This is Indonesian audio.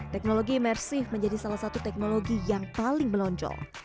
teknologi imersif menjadi salah satu teknologi yang paling melonjol